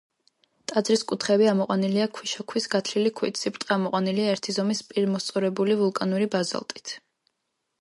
ტაძრის კუთხეები ამოყვანილია ქვიშაქვის გათლილი ქვით, სიბრტყე ამოყვანილია ერთი ზომის პირმოსწორებული ვულკანური ბაზალტით.